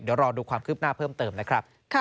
เดี๋ยวรอดูความคืบหน้าเพิ่มเติมนะครับ